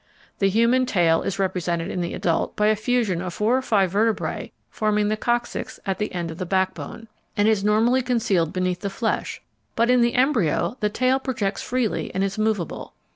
The human tail is represented in the adult by a fusion of four or five vertebræ forming the "coccyx" at the end of the backbone, and is normally concealed beneath the flesh, but in the embryo the tail projects freely and is movable.